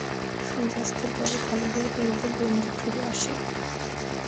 সূর্যাস্তের পর খালিদের প্রেরিত গোয়েন্দা ফিরে আসে।